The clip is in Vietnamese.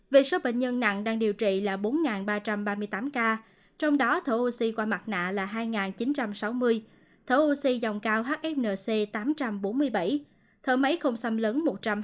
về số bệnh nhân nặng đang điều trị là bốn ba trăm ba mươi tám ca trong đó thở oxy qua mặt nạ là hai chín trăm sáu mươi thở oxy dòng cao hfnc tám trăm bốn mươi bảy thở máy không xâm lấn một trăm hai mươi